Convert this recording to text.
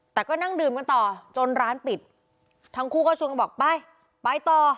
แต่ก็นั่งดื่มกันต่อจนร้านปิดทั้งคู่ก็ชวนกันบอกไปไปต่อ